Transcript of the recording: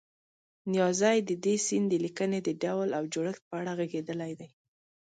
نیازی د دې سیند د لیکنې د ډول او جوړښت په اړه غږېدلی دی.